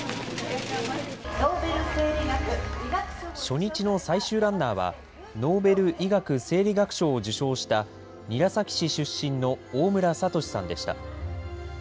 初日の最終ランナーは、ノーベル医学・生理学賞を受賞した韮崎市出身の大村智さんでした。